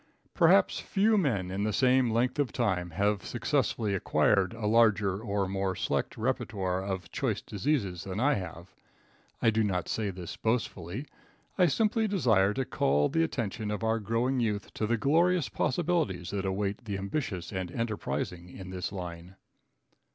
Perhaps few men in the same length of time have successfully acquired a larger or more select repertoire of choice diseases than I have. I do not say this boastfully. I simply desire to call the attention of our growing youth to the glorious possibilities that await the ambitious and enterprising in this line.